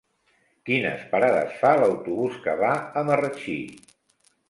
Quines parades fa l'autobús que va a Marratxí?